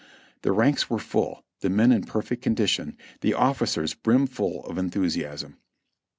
The ranks were full, the men in perfect condition, and the officers brimful of enthusiasm.